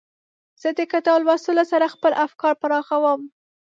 زه د کتاب لوستلو سره خپل افکار پراخوم.